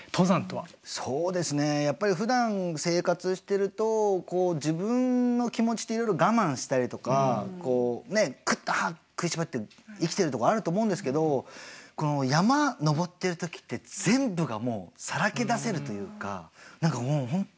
そうですねやっぱりふだん生活してるとこう自分の気持ちっていろいろ我慢したりとかこうねっクッと歯食いしばって生きてるとこあると思うんですけどこの山登ってる時って全部がもうさらけ出せるというか何かもう本当